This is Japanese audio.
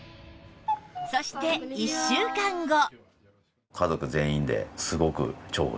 そして１週間後